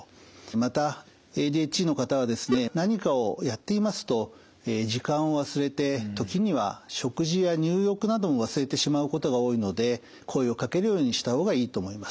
またＡＤＨＤの方はですね何かをやっていますと時間を忘れて時には食事や入浴なども忘れてしまうことが多いので声をかけるようにした方がいいと思います。